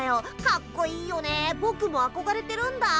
かっこいいよねぼくもあこがれてるんだ。